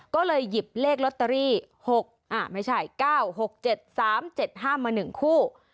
ก็เลยหยิบเลขลอตเตอรี่๙๖๗๓๗๕มา๑คู่